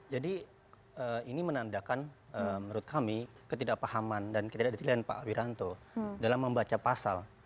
jadi ini menandakan menurut kami ketidakpahaman dan ketidaktilian pak wiranto dalam membaca pasal